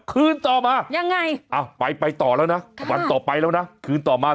คืนต่อมายังไงอ่ะไปไปต่อแล้วนะวันต่อไปแล้วนะคืนต่อมา